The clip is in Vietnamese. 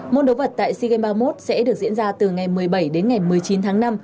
môn đấu vật tại sea games ba mươi một sẽ được diễn ra từ ngày một mươi bảy đến ngày một mươi chín tháng năm